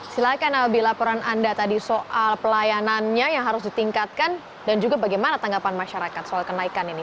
silahkan albi laporan anda tadi soal pelayanannya yang harus ditingkatkan dan juga bagaimana tanggapan masyarakat soal kenaikan ini